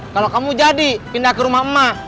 kalau kamu jadi pindah ke rumah emak